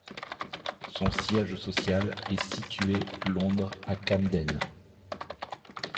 Son siège social est situé Londres à Camden.